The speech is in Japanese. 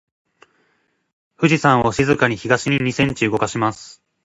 富士山を静かに東に二センチ動かします。